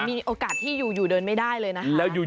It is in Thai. มีโอกาสที่อยู่อยู่เดินไม่ได้เลยนะครับ